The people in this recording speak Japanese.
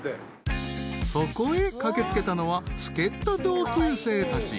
［そこへ駆け付けたのは助っ人同級生たち］